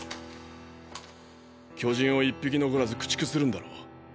巨人を一匹残らず駆逐するんだろ？